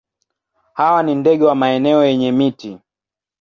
Hawa ni ndege wa maeneo yenye miti.